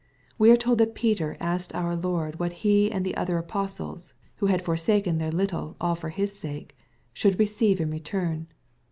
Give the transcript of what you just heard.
We are told that Peter asked our Lord what he and the other apostles, who had forsaken their little all for His sake, should receive in return.